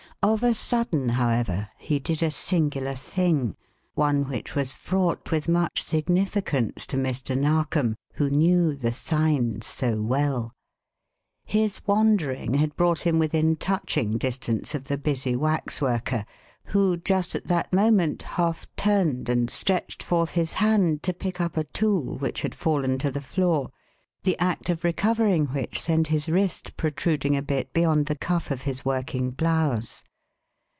Of a sudden, however, he did a singular thing, one which was fraught with much significance to Mr. Narkom, who knew the "signs" so well. His wandering had brought him within touching distance of the busy waxworker, who, just at that moment, half turned and stretched forth his hand to pick up a tool which had fallen to the floor, the act of recovering which sent his wrist protruding a bit beyond the cuff of his working blouse.